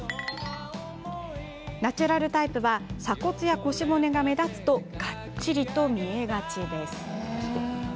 ナチュラルタイプは鎖骨や腰骨が目立つとがっちりと見えがちです。